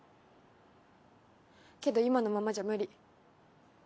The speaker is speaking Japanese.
けど今のままじゃ無理。